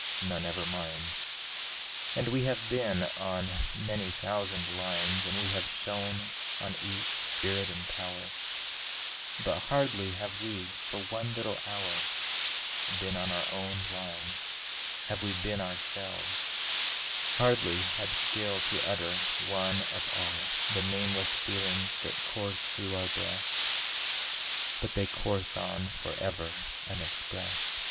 none ever mines. And we have been on many thousand lines, And we have shown, on each, spirit and power; But hardly have we, for one little hour, Been on our own line, have we been ourselves Hardly had skill to utter one of all The nameless feelings that course through our breast, But they course on for ever unexpressed.